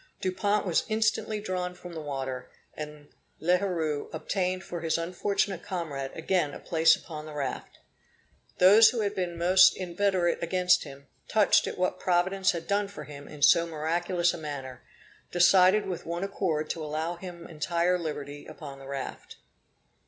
Dupont was instantly drawn from the water, and L'Heureux obtained for his unfortunate comrade again a place upon the raft. Those who had been most inveterate against him, touched at what Providence had done for him in so miraculous a manner, decided with one accord to allow him entire liberty upon the raft.